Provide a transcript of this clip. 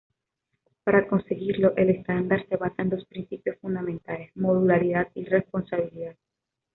Para conseguirlo, el estándar se basa en dos principios fundamentales: modularidad y responsabilidad.